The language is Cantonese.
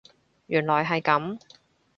原來係咁